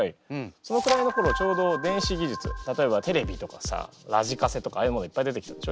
そのくらいのころちょうど電子技術例えばテレビとかさラジカセとかああいうものいっぱい出てきたでしょ？